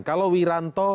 kalau wiranto mau menang